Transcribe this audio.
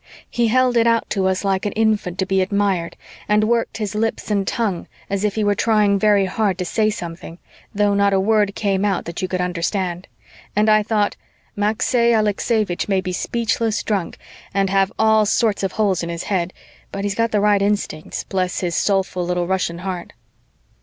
He held it out to us like an infant to be admired and worked his lips and tongue as if he were trying very hard to say something, though not a word came out that you could understand, and I thought, "Maxey Aleksevich may be speechless drunk and have all sorts of holes in his head, but he's got the right instincts, bless his soulful little Russian heart."